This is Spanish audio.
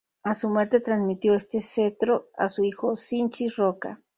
A su muerte, transmitió este cetro a su hijo Sinchi Roca.